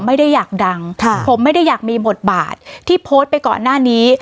ไม่ได้อยากดังค่ะผมไม่ได้อยากมีบทบาทที่โพสต์ไปก่อนหน้านี้